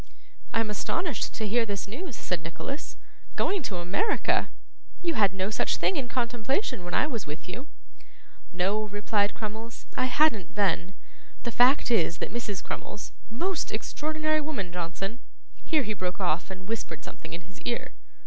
'I am astonished to hear this news,' said Nicholas. 'Going to America! You had no such thing in contemplation when I was with you.' 'No,' replied Crummles, 'I hadn't then. The fact is that Mrs Crummles most extraordinary woman, Johnson.' Here he broke off and whispered something in his ear.